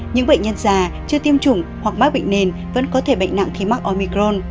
những bệnh nhân già chưa tiêm chủng hoặc mắc bệnh nền vẫn có thể bệnh nặng khi mắc omicron